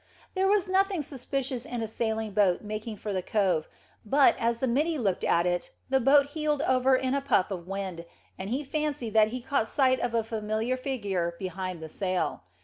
There was nothing suspicious in a sailing boat making for the cove, but, as the middy looked at it, the boat heeled over in a puff of wind, and he fancied that he caught sight of a familiar figure behind the sail.